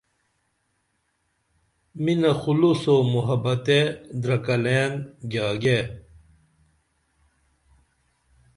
مِنہ خلوص او محبتے درکلئین گیاگیے